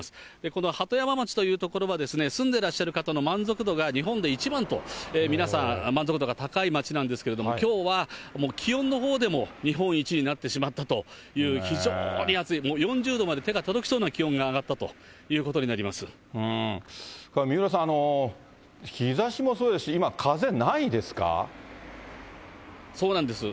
この鳩山町という所は、住んでらっしゃる方の満足度が日本で一番と皆さん満足度が高い町なんですけれども、きょうはもう気温のほうでも日本一になってしまったという、非常に暑い、もう４０度まで手が届きそうな気温が三浦さん、日ざしもそうですそうなんです。